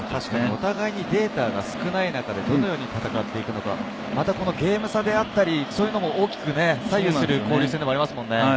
お互いデータが少ない中でどう戦っていくかというのが、またゲーム差であったり、そういうのも大きく左右する交流戦でもありますもんね。